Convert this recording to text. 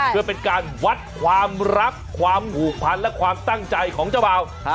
เพื่อเป็นการวัดความรักความผูกพันและความตั้งใจของเจ้าบ่าว